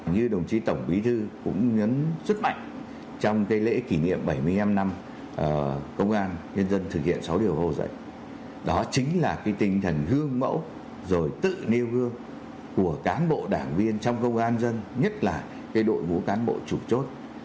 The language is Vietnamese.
như đồng chí tổng bí thư cũng nhấn rất mạnh trong lễ kỷ niệm bảy mươi năm năm công an nhân dân thực hiện sáu điều hồ dạy đó chính là tinh thần gương mẫu rồi tự nêu gương của cán bộ đảng viên trong công an dân nhất là đội ngũ cán bộ chủ chốt